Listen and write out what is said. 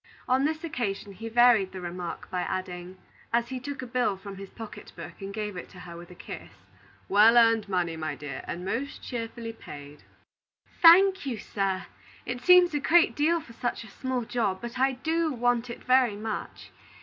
On this occasion he varied the remark by adding, as he took a bill from his pocket book and gave it to her with a kiss: "Well earned money, my dear, and most cheerfully paid." "Thank you, sir! It seems a great deal for such a small job. But I do want it very much.